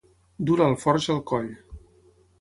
Dur l'alforja al coll.